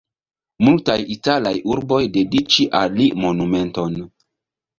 Multaj italaj urboj dediĉi al li monumenton.